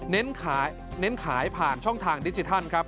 เน้นขายผ่านช่องทางดิจิทัลครับ